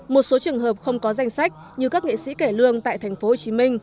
một số trường hợp không có danh sách như các nghệ sĩ kể lương tại tp hcm